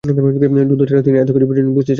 যুদ্ধ ছাড়া তিনি এতদিন কিছু বুঝেন নি, বুঝতে চাননি।